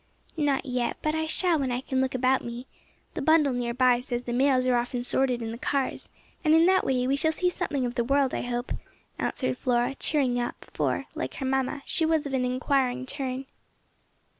"Not yet, but I shall when I can look about me. This bundle near by says the mails are often sorted in the cars, and in that way we shall see something of the world, I hope," answered Flora, cheering up, for, like her mamma, she was of an enquiring turn.